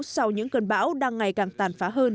sau những cơn bão đang ngày càng tàn phá hơn